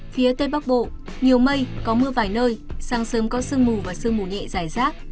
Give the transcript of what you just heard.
phía tây bắc bộ nhiều mây có mưa vài nơi sáng sớm có sương mù và sương mù nhẹ dài rác